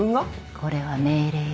これは命令よ。